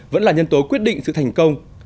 vẫn là nhân tố quyết định sự thành công